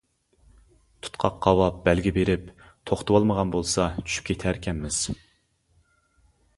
تۇتقاق قاۋاپ بەلگە بېرىپ، توختىتىۋالمىغان بولسا، چۈشۈپ كېتەر ئىكەنمىز.